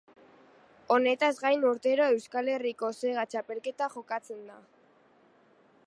Honetaz gain urtero Euskal Herriko Sega Txapelketa jokatzen da.